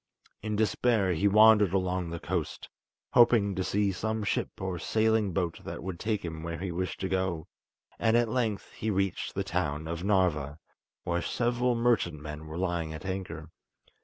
In despair, he wandered along the coast, hoping to see some ship or sailing boat that would take him where he wished to go, and at length he reached the town of Narva, where several merchantmen were lying at anchor.